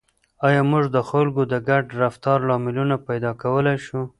آیا موږ د خلکو د ګډ رفتار لاملونه پیدا کولای شو؟